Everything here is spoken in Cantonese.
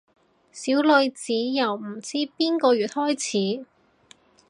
小女子由唔知邊個月開始